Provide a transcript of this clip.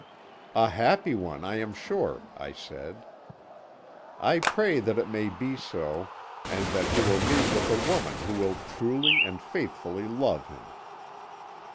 "'A happy one, I am sure,' I said. "'I pray that it may be so, and that he will meet with a woman who will truly and faithfully love him.'